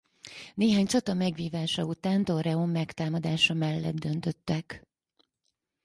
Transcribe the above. Néhány csata megvívása után Torreón megtámadása mellett döntöttek.